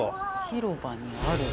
広場にある。